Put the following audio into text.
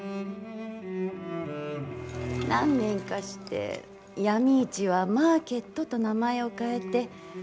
何年かして闇市は「マーケット」と名前を変えて。